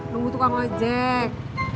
tunggu tukang lojek